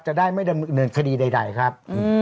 จะได้ไม่ดำเนินคดีใดครับ